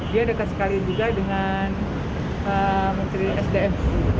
dia dekat sekali juga dengan menteri sdm